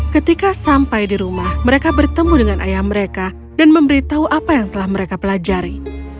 ketika sampai di rumah mereka bertemu dengan ayah mereka dan memberitahu apa yang telah mereka pelajari